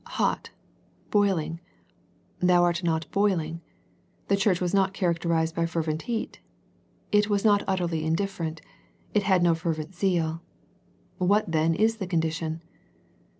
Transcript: " Hot," boiling. " Thou art not boiling." The church was not characterized by fervent heat. It was not utterly indifferent. It had no fervent zeal. What then is the condition?